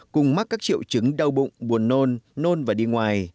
cùng mắc các triệu chứng đau bụng buồn nôn nôn và đi ngoài